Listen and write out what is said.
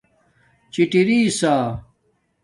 چِٹرسݳ